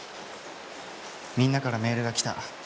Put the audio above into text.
みんなからメールが来た。